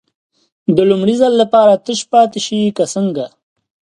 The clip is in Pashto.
د لومړي ځل لپاره تش پاتې شي که څنګه.